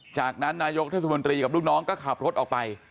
จากนั้นนายกเทศมนตรีกับลูกน้องก็ขับรถออกไป